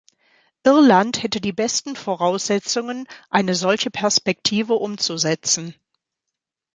Irland hätte die besten Voraussetzungen, eine solche Perspektive umzusetzen.